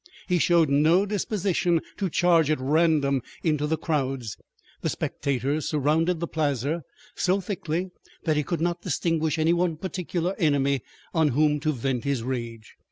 He showed no disposition to charge at random into the crowds. The spectators surrounded the plaza so thickly that he could not distinguish any one particular enemy on whom to vent his rage.